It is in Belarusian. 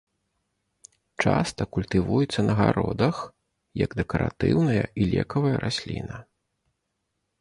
Часта культывуецца на гародах як дэкаратыўная і лекавая расліна.